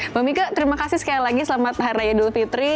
mbak mika terima kasih sekali lagi selamat hari raya idul fitri